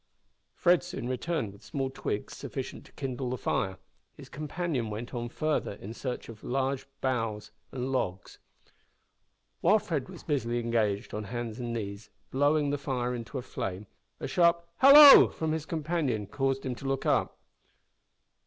Fred soon returned with small twigs sufficient to kindle the fire; his companion went on further in search of larger boughs and logs. While Fred was busily engaged on hands and knees, blowing the fire into a flame, a sharp "hallo!" from his companion caused him to look up.